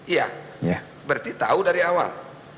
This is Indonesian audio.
iya berarti tahu dari awal